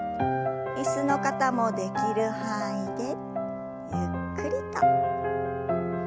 椅子の方もできる範囲でゆっくりと。